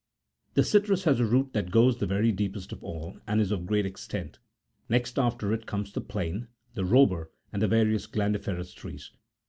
65 The citrus has a root that goes the very deepest of all, and is of great extent ; next after it come the plane, the robur, and the various glandiferous trees.